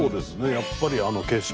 やっぱりあの景色